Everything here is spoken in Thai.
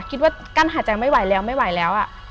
กั้นหายใจไม่ไหวแล้วไม่ไหวแล้ว